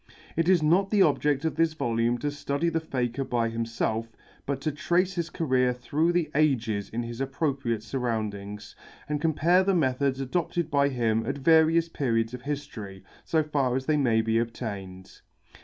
It is not the object of this volume to study the Faker by himself, but to trace his career through the ages in his appropriate surroundings, and compare the methods adopted by him at various periods of history, so far as they may be obtained.